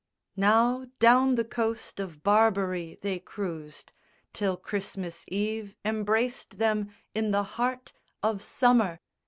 Now down the coast of Barbary they cruised Till Christmas Eve embraced them in the heart Of summer.